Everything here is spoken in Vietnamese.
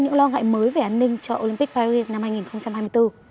những lo ngại mới về an ninh cho olympic paris năm hai nghìn hai mươi bốn